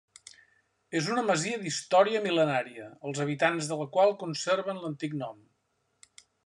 És una masia d'història mil·lenària, els habitants de la qual conserven l'antic nom.